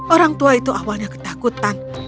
orang tua itu awalnya ketakutan